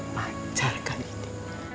pacar kali ini